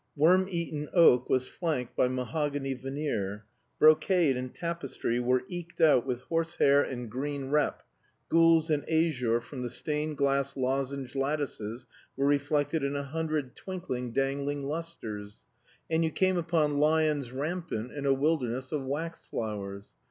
Worm eaten oak was flanked by mahogany veneer, brocade and tapestry were eked out with horse hair and green rep, gules and azure from the stained glass lozenge lattices were reflected in a hundred twinkling, dangling lusters; and you came upon lions rampant in a wilderness of wax flowers.